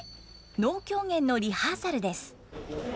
能狂言のリハーサルです。